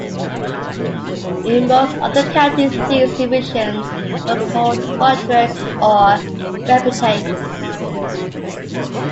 In most other counties these divisions were called hundreds or Wapentakes.